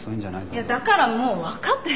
いやだからもう分かってるよ。